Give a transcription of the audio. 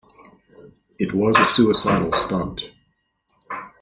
It was a suicidal stunt.